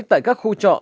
tại các khu trọ